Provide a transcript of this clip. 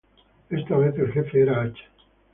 Esta vez, el jefe era Acha.